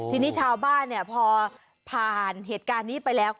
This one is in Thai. ทีนี้ชาวบ้านพอผ่านเหตุการณ์นี้ไปแล้ว